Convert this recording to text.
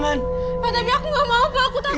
pak tapi aku gak mau pak aku takut